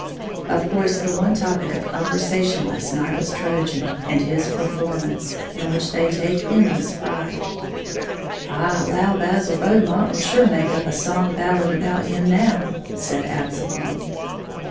Of course the one topic of conversation last night was "Trojan" and his performance, in which they take endless pride. "I allow Basil Beaumont will sure make up a song ballad about him now," said Absalom.